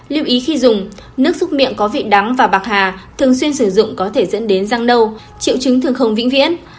lưu ý khi dùng nước xúc miệng có vị đắng và bạc hà thường xuyên sử dụng có thể dẫn đến răng nâu triệu chứng thường không vĩnh viễn